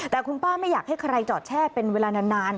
แต่คุณป้าไม่อยากให้ใครจอดแช่เป็นเวลานาน